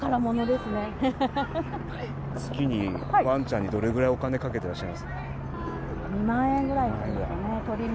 月にワンちゃんにどれぐらいお金かけていらっしゃいます？